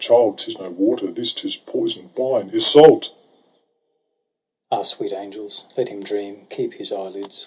Child, 'tis no water this, 'tis poison'd wine ! Iseult! ....* Ah, sweet angels, let him dream ! Keep his eyelids!